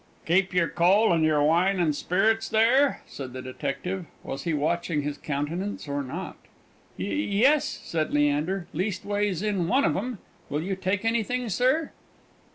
"Keep your coal and your wine and spirits there?" said the detective. (Was he watching his countenance, or not?) "Y yes," said Leander; "leastways, in one of them. Will you take anything, sir?"